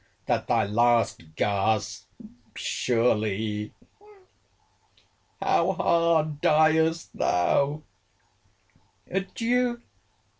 —That thy last gasp, surely!—How hard diest thou! ADIEU!